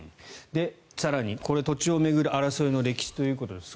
更に、土地を巡る争いの歴史ということです。